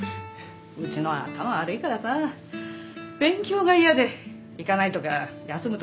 うちのは頭悪いからさ勉強が嫌で行かないとか休むとかよく言ってたけどね。